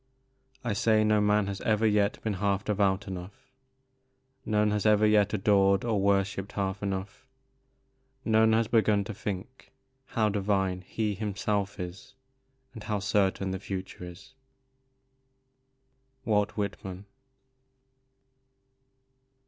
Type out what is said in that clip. I say no man has ever yet been half devout enough ; None has ever yet adored or worshipped half enough ; None has begun to think how divine he himself is, and how certain the future is." Walt Whitman.